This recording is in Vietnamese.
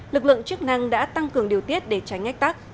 lực lượng chức năng đã tăng cường điều tiết để tránh ách tắc